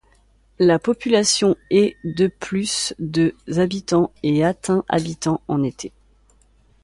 La population est de plus de habitants et atteint habitants en été.